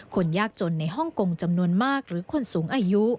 คนยากจนในฮ่องกงจำนวนมากหรือคนสูงอายุ